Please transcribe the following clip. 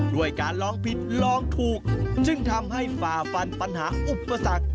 ด้วยการลองผิดลองถูกจึงทำให้ฝ่าฟันปัญหาอุปสรรค